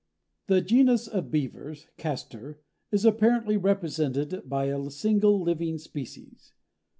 The genus of Beavers (Castor) is apparently represented by a single living species.